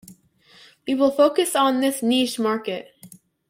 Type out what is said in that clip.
We will focus on this niche market.